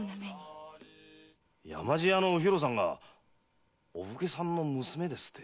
山路屋のおひろさんがお武家さんの娘ですって？